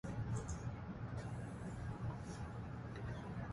Fortunately, I get on well with all my colleagues.